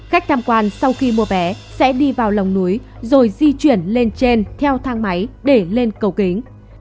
khách tham quan sau khi mua vé sẽ đi vào lòng núi rồi di chuyển lên trên theo thang máy để lên cầu kính